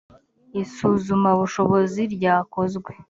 isuzumabushobozi ryakozwe .